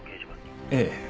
ええ。